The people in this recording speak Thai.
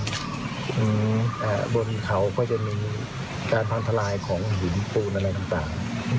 บนเขาก็จะมีการพังทลายของหินปูนอะไรต่าง